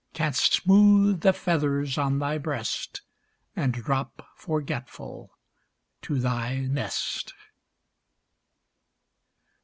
Canst smooth the feathers on thy breast, And drop, forgetful, to thy nest.